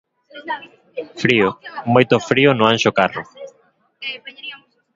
Frío, moito frío no Anxo Carro.